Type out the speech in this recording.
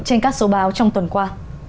trên các số báo trong tuần qua